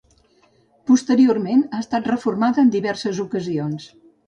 Posteriorment, ha estat reformada en diverses ocasions.